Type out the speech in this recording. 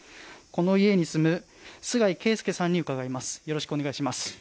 この家に住む須貝圭介さんにお話を伺います。